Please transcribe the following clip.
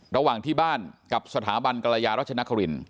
ระหว่างที่บ้านกับสถาบันกรยารัชนคริน